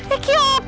ini apa toh